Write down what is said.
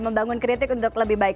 membangun kritik untuk lebih baik